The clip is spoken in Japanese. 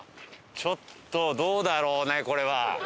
ちょっとどうだろうねこれは。